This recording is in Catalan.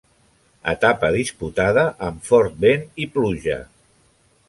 Etapa disputada amb fort vent i pluja.